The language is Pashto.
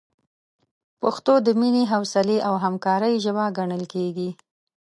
پښتو د مینې، حوصلې، او همکارۍ ژبه ګڼل کېږي.